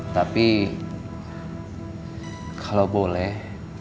tapi kalau boleh